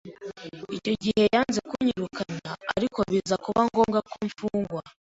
icyo gihe yanze kunyirukana, ariko biza kuba ngombwa ko mfungwa